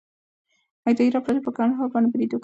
د ایران پاچا پر کندهار برید وکړ.